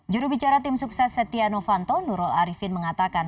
jurubicara tim sukses setia novanto nurul arifin mengatakan